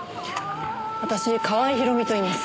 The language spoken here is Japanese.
私川合ひろみといいます。